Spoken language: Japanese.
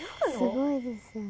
すごいですよね。